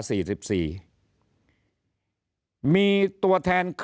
ชื่อดรสมิทธิรักษ์จันรักครับ